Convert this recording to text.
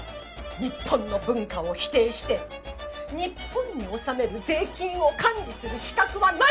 日本の文化を否定して日本に納める税金を管理する資格はない！